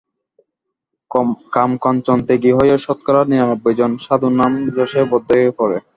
কামকাঞ্চনত্যাগী হয়েও শতকরা নিরানব্বই জন সাধু নাম-যশে বদ্ধ হয়ে পড়ে।